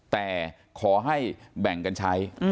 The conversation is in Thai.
แต่ขอให้แบ่งกันใช้